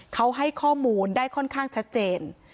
เขาให้ข้อมูลได้ค่อนข้างชัดเจน